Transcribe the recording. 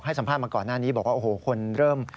ให้สัมภาษณ์มาก่อนหน้านี้บอกว่าคนเริ่ม